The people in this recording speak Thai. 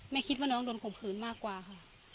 คิดว่าน้องโดนข่มขืนมากกว่าค่ะ